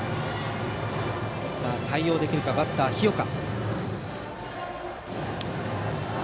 対応できるかバッターの日岡。